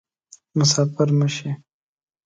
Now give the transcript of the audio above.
مسافر مه شي